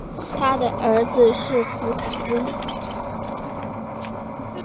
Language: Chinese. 他的儿子是佛卡温。